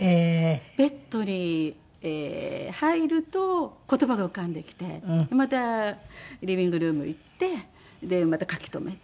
ベッドに入ると言葉が浮かんできてまたリビングルーム行ってまた書き留めて。